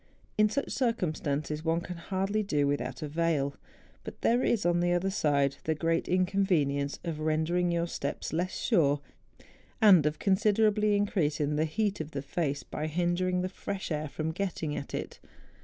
In such circumstances one can hardly do without a veil; but there is, on the other side, the great inconvenience of rendering your steps less sure, and of considerably increasing the heat of the face, by hindering the fresh air from getting at it.